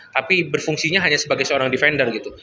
tapi berfungsinya hanya sebagai seorang defender gitu